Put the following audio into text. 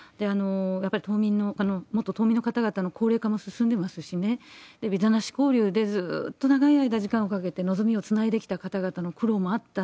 やっぱり島民の、元島民の方々の高齢化も進んでますし、ビザなし交流でずーっと長い間、時間をかけて望みをつないできた方々の苦労もあった、